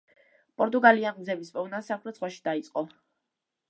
პორტუგალიამ გზების პოვნა სამხრეთ ზღვაში დაიწყო.